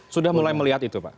sudah mulai melihat itu pak